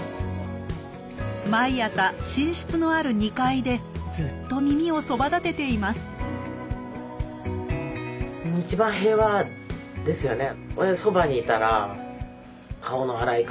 毎朝寝室のある２階でずっと耳をそばだてていますいやすごいですよね。